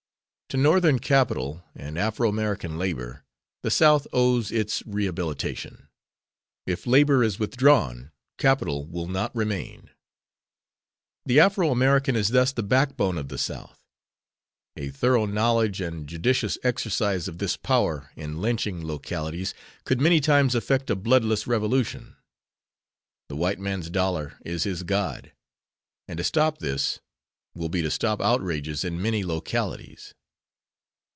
To Northern capital and Afro American labor the South owes its rehabilitation. If labor is withdrawn capital will not remain. The Afro American is thus the backbone of the South. A thorough knowledge and judicious exercise of this power in lynching localities could many times effect a bloodless revolution. The white man's dollar is his god, and to stop this will be to stop outrages in many localities.